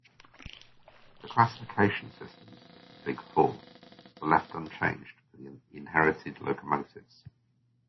The classification systems of the 'Big Four' were left unchanged for the inherited locomotives.